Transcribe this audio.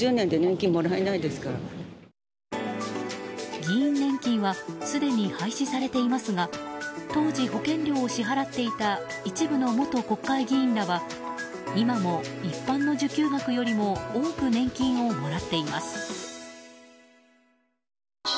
議員年金はすでに廃止されていますが当時、保険料を支払っていた一部の元国会議員らは今も一般の受給額よりも多く年金をもらっています。